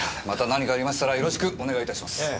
また何かありましたらよろしくお願いいたします。